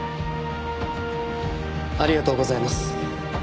ありがとうございます。